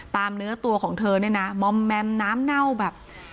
เนื้อตัวของเธอเนี่ยนะมอมแมมน้ำเน่าแบบ